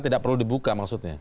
tidak perlu dibuka maksudnya